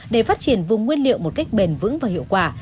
để phát triển vùng nguyên liệu một cách bền vững và hiệu quả